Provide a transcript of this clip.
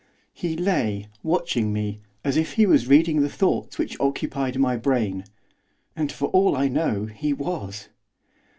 He lay, watching me, as if he was reading the thoughts which occupied my brain, and, for all I know, he was.